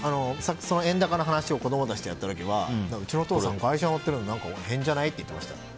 円高の話を子供たちとやった時はうちのお父さん外車乗ってるのに変じゃない？って言ってました。